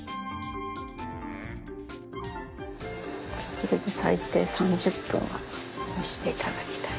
これで最低３０分は蒸していただきたい。